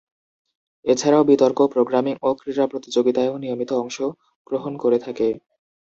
এছাড়াও বিতর্ক, প্রোগ্রামিং ও ক্রীড়া প্রতিযোগিতায়ও নিয়মিত অংশগ্রহণ করে থাকে।